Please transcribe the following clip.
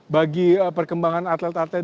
bagi perkembangan atlet atlet